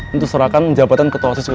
untuk serahkan menjawabkan ketuasaan